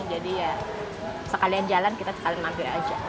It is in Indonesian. jadi ya sekalian jalan kita sekalian ambil aja